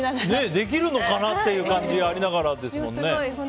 できるのかな？って感じありながらですもんね。